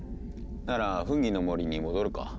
ならフンギの森に戻るか。